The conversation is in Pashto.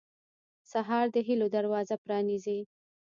سهار د هيلو دروازه پرانیزي.